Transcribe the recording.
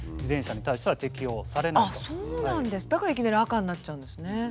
だからいきなり赤になっちゃうんですね。